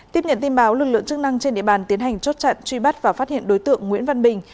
tiếp nhận tin báo lực lượng chức năng trên địa bàn tiến hành chốt chặn truy bắt và phát hiện đối tượng nguyễn văn bình